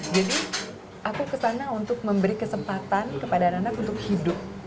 jadi aku ke sana untuk memberi kesempatan kepada anak anak untuk hidup